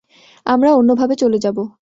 আমরা অন্যভাবে চলে যাব।